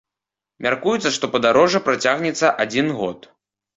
Мяркуецца, што падарожжа працягнецца адзін год.